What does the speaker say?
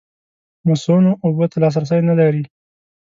مصؤنو اوبو ته لاسرسی نه لري.